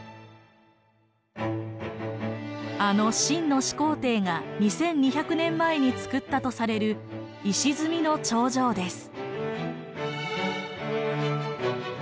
あの秦の始皇帝が２，２００年前につくったとされる石積みの長城です。